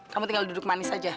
kamu tinggal duduk manis saja